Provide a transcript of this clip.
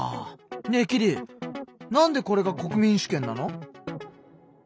ねえキリなんでこれが国民主権なの？